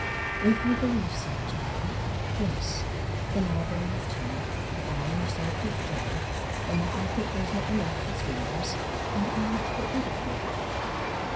'If you believe so, Charley, yes, then I believe too, that I am a selfish jade, and that I think there's not enough for three of us, and that I want to get rid of you.